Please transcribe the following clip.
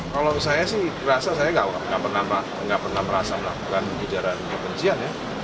kalau saya sih rasa saya nggak pernah merasa melakukan ujaran kebencian ya